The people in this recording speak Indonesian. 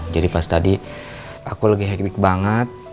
jadi pas tadi aku lagi hektik banget